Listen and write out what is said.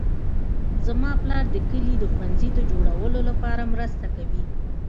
زما پلار د کلي د ښوونځي د جوړولو لپاره مرسته کوي